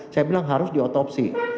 saya bilang harus diotopsi